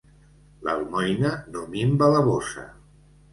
L'almoina no minva la bossa.